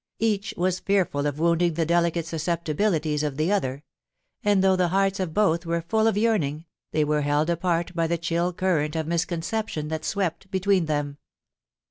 Each was fearful of wounding the delicate susceptibilities of the other ; and though the hearts of both were full of yearning, they were held apart by the chill current of mis conception that swept between them.